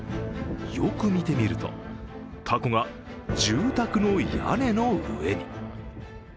よく見てみると、凧が住宅の屋根の上に。